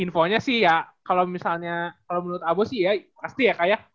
infonya sih ya kalau misalnya kalau menurut abu sih ya pasti ya kayak